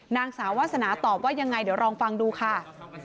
นางสาววาสนาตอบว่ายังไงเดี๋ยวลองฟังดูค่ะ